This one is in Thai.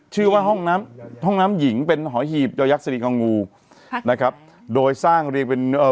ชื่อว่าห้องน้ำห้องน้ำหญิงเป็นหอยหีบยอยักษรีของงูค่ะนะครับโดยสร้างเรียงเป็นเอ่อ